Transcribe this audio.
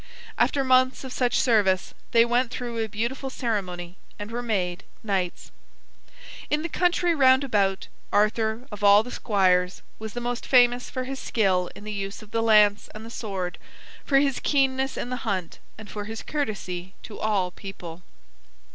After months of such service, they went through a beautiful ceremony and were made knights. In the country round about, Arthur, of all the squires, was the most famous for his skill in the use of the lance and the sword, for his keenness in the hunt, and for his courtesy to all people.